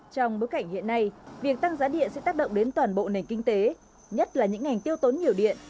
trong bối cảnh hiện nay việc tăng giá điện sẽ tác động đến toàn bộ nền kinh tế nhất là những ngành tiêu tốn nhiều điện